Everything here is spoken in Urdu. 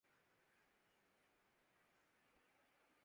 چنانچہ اسے دسمبر کہا جاتا تھا